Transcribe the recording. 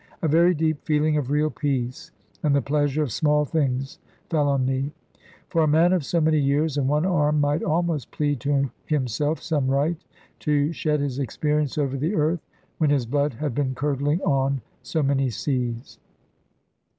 A very deep feeling of real peace, and the pleasure of small things fell on me; for a man of so many years, and one arm, might almost plead to himself some right to shed his experience over the earth, when his blood had been curdling on so many seas.